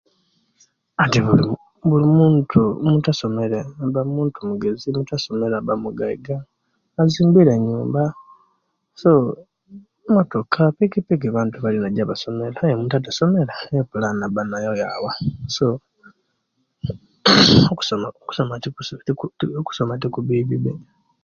Ate buli muntu omuntu asomere aba muntu mugezi, omuntu asomere aba mugaiga, azimbire enyumba soo motoka, pikipiki abantu balinajo abasomere aye omuntu etasomere epulani aba nayo yawa soo okusoma okusoma tikubibi be.